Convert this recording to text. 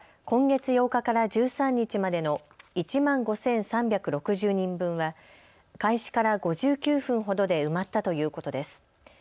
今月８日から１３日までの１万５３６０人分は開始から５９分ほどで埋まったということです。